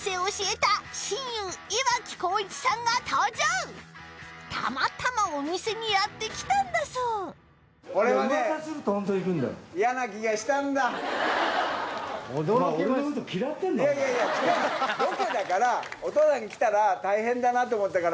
たまたまお店にやって来たんだそういやいやいや違う。